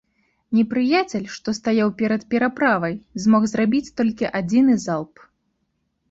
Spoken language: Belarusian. Непрыяцель, што стаяў перад пераправай, змог зрабіць толькі адзіны залп.